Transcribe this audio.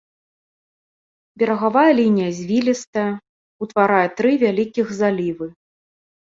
Берагавая лінія звілістая, утварае тры вялікіх залівы.